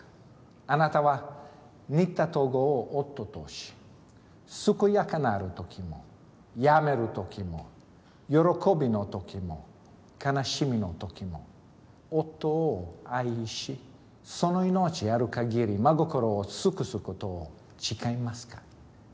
あなたは新田東郷を夫とし健やかなるときも病めるときも喜びのときも悲しみのときも夫を愛しその命ある限り真心を尽くすことを誓いますか？